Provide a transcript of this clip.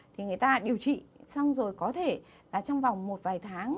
thì người ta điều trị xong rồi có thể là trong vòng một vài tháng